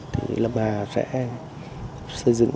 thì lâm hà sẽ xây dựng